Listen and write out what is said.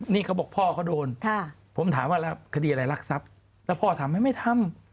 นี่เขาบอกพ่อเขาโดนผมถามว่าแล้วคดีอะไรรักทรัพย์แล้วพ่อทำไหมไม่ทำ